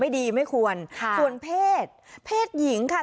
ดีไม่ควรค่ะส่วนเพศเพศหญิงค่ะ